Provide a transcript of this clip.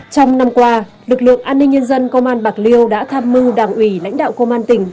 trong năm qua lực lượng an ninh nhân dân công an bạc liêu đã tham mưu đảng ủy lãnh đạo công an tỉnh